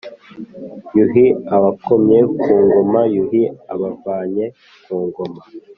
yuhi abakomye ku ngoma: yuhi abavanye ku ngoma